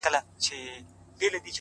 مُلا سړی سو، اوس پر لاره د آدم راغلی،